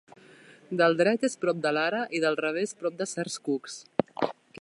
Del dret és prop de l'ara i del revés prop de certs cucs.